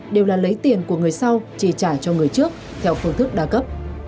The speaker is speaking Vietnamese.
đều là lấy tiền của người sau trì trả cho người trước theo phương thức đa cấp